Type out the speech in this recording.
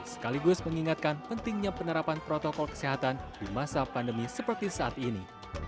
sekaligus mengingatkan pentingnya penerapan protokol kesehatan di masa pandemi seperti saat ini